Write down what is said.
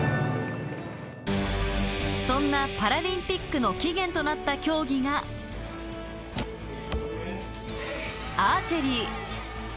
そんなパラリンピックの起源となった競技がアーチェリー。